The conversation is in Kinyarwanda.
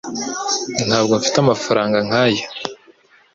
Ntabwo mfite amafaranga nkaya